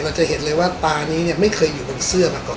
จะเห็นเลยว่าตานี้เนี่ยไม่เคยอยู่บนเสื้อมาก่อน